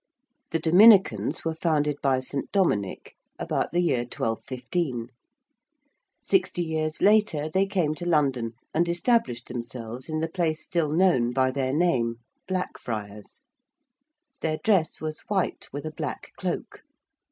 The Dominicans were founded by St. Dominic about the year 1215. Sixty years later they came to London and established themselves in the place still known by their name Blackfriars. Their dress was white with a black cloak.